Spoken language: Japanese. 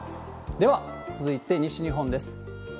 では、続いて西日本です。